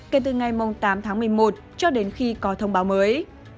kể từ ngày tám tháng một mươi một cho đến khi có thông báo mới